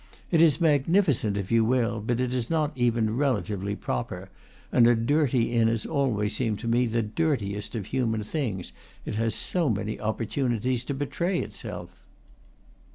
It is magnificent, if you will, but it is not even relatively proper; and a dirty inn has always seemed to me the dirtiest of human things, it has so many opportunities to betray itself.